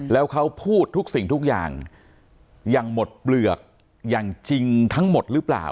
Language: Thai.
แล้วเขาพูดทุกสิ่งทุกอย่างอย่างหมดเปลือกอย่างจริงทั้งหมดหรือเปล่า